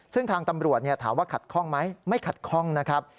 ซึ่งทางตำรวจถามว่าขัดข้องไหมไม่ขัดข้องนะครับ